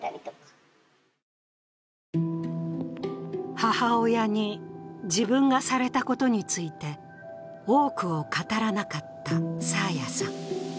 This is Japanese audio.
母親に自分がされたことについて、多くを語らなかった爽彩さん。